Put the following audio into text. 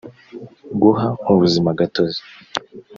guha ubuzima gatozi